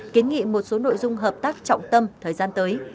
kiến nghị một số nội dung hợp tác trọng tâm thời gian tới